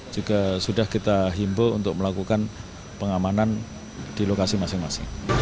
juga sudah kita himbo untuk melakukan pengamanan di lokasi masing masing